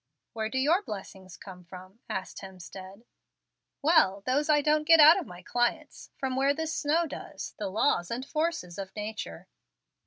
"Where do your blessings come from?" asked Hemstead. "Well, those I don't get out of my clients, from where this snow does, the laws and forces of nature."